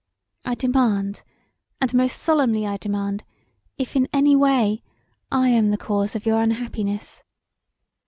I demand, and most solemnly I demand if in any way I am the cause of your unhappiness.